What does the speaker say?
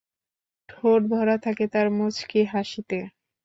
ঠোঁট ভরা থাকে তার মুচকি হাসিতে।